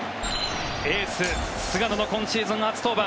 エース、菅野の今シーズン初登板。